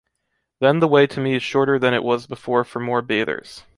Then the way to me is shorter than it was before for more bathers.